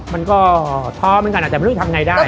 มันก็ท้อเหมือนกันนะแต่มันต้องทำยังไงได้